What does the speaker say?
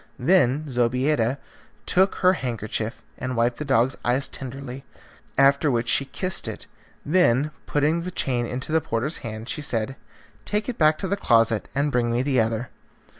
Then Zobeida took her handkerchief and wiped the dog's eyes tenderly, after which she kissed it, then, putting the chain into the porter's hand she said, "Take it back to the closet and bring me the other."